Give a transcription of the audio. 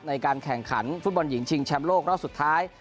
ในการแข่งขันฟุตบอลหญิงชิงแชมป์โลกรอบสุดท้าย